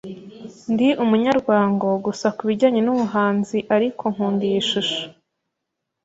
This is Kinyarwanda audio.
Ndi umunyamurwango gusa kubijyanye n'ubuhanzi, ariko nkunda iyi shusho.